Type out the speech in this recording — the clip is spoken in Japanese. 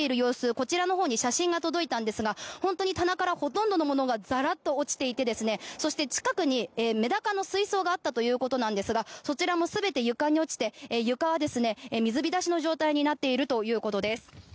こちらのほうに写真が届いたんですが本当に棚からほとんどのものがザラッと落ちていてそして近くにメダカの水槽があったということなんですがそちらも全て床に落ちて床は水浸しの状態になっているということです。